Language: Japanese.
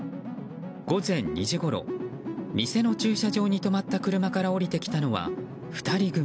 午前２時ごろ、店の駐車場に止まった車から降りてきたのは２人組。